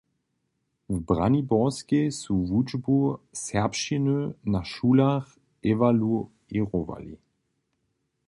W Braniborskej su wučbu serbšćiny na šulach ewaluěrowali.